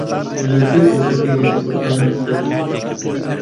زۆربەی ڕۆژەکەی لە نەخۆشخانە بەسەر برد.